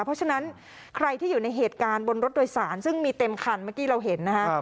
เพราะฉะนั้นใครที่อยู่ในเหตุการณ์บนรถโดยสารซึ่งมีเต็มคันเมื่อกี้เราเห็นนะฮะ